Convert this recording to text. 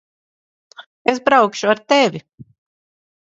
Es braukšu ar tevi.